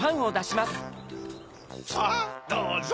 さぁどうぞ！